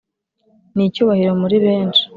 ni icyubahiro muri benshi.